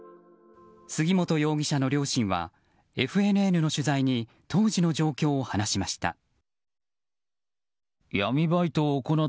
杉本容疑者の両親はＦＮＮの取材に当時の状況を話しました。